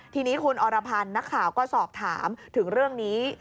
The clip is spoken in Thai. ทีนี้คุณอรพันธ์นักข่าวก็สอบถามถึงเรื่องนี้